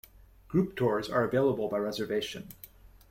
Group tours are available by reservation.